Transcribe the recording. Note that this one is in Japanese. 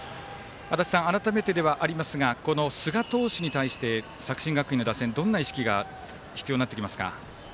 改めてではありますがこの寿賀投手に対して作新学院の打線はどんな意識が必要になってきますか？